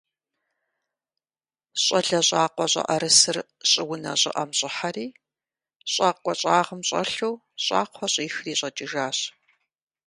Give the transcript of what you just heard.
Щӏалэ щӏакъуэ щӏыӏэрысыр щӏыунэ щӏыӏэм щӏыхьэри, щӏакӏуэ щӏагъым щӏэлъу щӏакхъуэ щӏихри щӏэкӏыжащ.